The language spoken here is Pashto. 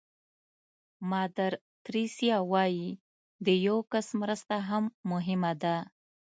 مادر تریسیا وایي د یو کس مرسته هم مهمه ده.